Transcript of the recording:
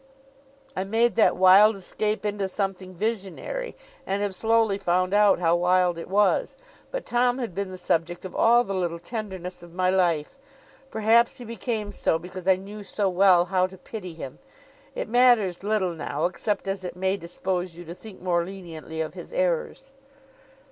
I made that wild escape into something visionary, and have slowly found out how wild it was. But Tom had been the subject of all the little tenderness of my life; perhaps he became so because I knew so well how to pity him. It matters little now, except as it may dispose you to think more leniently of his errors.